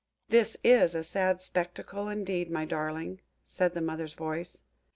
"This is a sad spectacle, indeed, my darling," said her mother's voice.